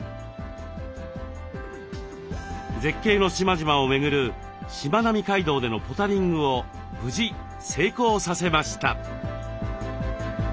絶景の島々を巡るしまなみ海道でのポタリングを無事成功させました。